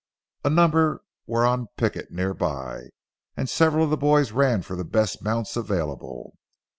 A number were on picket near by, and several of the boys ran for the best mounts available.